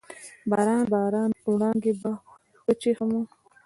باران، باران وړانګې به وچیښمه